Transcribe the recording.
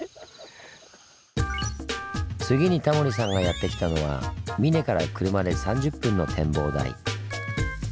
次にタモリさんがやってきたのは三根から車で３０分の展望台。